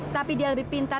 tapi dia lebih pintar